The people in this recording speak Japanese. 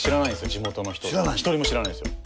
地元の人１人も知らないです。